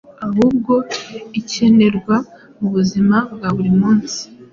ahubwo ikenerwa mu buzima bwa buri munsi